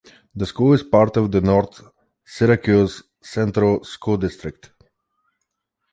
The school is part of the North Syracuse Central School District.